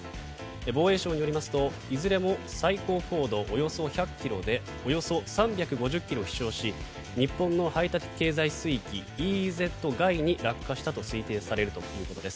防衛省によりますといずれも最高高度およそ１００ｋｍでおよそ３５０ｋｍ飛翔し日本の排他的経済水域・ＥＥＺ外に落下したと推定されるということです。